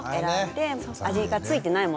味が付いてないものですね